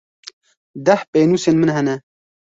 Deh pênûsên min hene.